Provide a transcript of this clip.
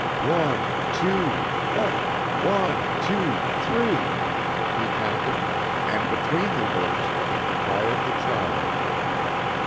"One, two. One, two, three," he counted, and between the words came the cry of the child.